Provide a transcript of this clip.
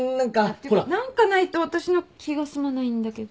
ていうか何かないと私の気が済まないんだけど。